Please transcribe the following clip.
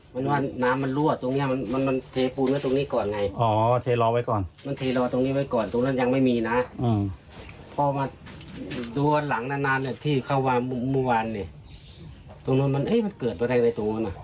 มันว่าน้ำมันรั่วตรงเนี้ยมันมันเทปูนไว้ตรงนี้ก่อนไงอ๋อเทรอไว้ก่อนมันเทรอตรงนี้ไว้ก่อนตรงนั้นยังไม่มีนะพอมาดูวันหลังนานเนี่ยที่เข้ามามุมเมื่อวานเนี่ยตรงนู้นมันเอ๊ะมันเกิดตัวใครไปตรงนั้นน่ะ